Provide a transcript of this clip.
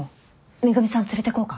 恵美さん連れてこうか？